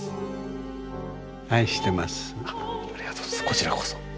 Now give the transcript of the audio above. こちらこそ。